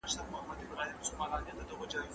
ژبه د جهنم ته د داخلېدو وسله ده.